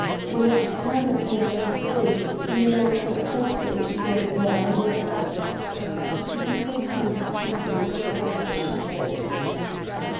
When it turned at the end of the street, Emilienne said softly to a young man near her: " Would you be so kind as to help me to put up the shutters